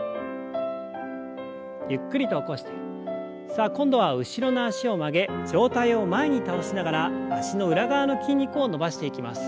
さあ今度は後ろの脚を曲げ上体を前に倒しながら脚の裏側の筋肉を伸ばしていきます。